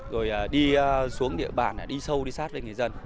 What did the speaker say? rồi đi xuống địa bàn đi sâu đi sát với người dân